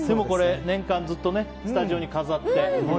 これ年間ずっとスタジオに飾って。